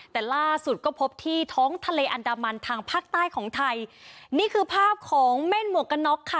แต่ล่าสุดก็พบที่ท้องทะเลอันดามันทางภาคใต้ของไทยนี่คือภาพของแม่นหมวกกันน็อกค่ะ